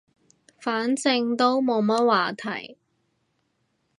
反正都冇乜話題